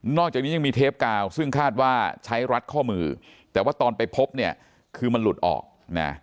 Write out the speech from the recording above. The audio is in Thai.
อกจากนี้ยังมีเทปกาวซึ่งคาดว่าใช้รัดข้อมือแต่ว่าตอนไปพบเนี่ยคือมันหลุดออกนะ